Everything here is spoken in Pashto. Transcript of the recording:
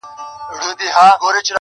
o پوهنتون ته سوه کامیاب مکتب یې خلاص کئ,